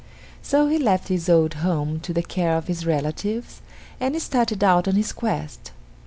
So he left his old home to the care of his relatives, and started out on his quest.